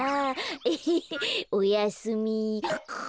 エヘヘおやすみ。